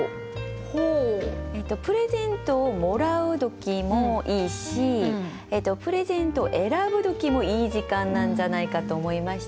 プレゼントをもらう時もいいしプレゼントを選ぶ時もいい時間なんじゃないかと思いまして。